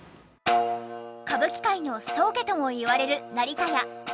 歌舞伎界の宗家ともいわれる成田屋。